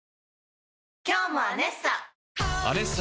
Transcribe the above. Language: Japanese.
今日も「アネッサ」！